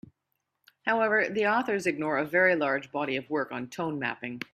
However, the authors ignore a very large body of work on tone mapping.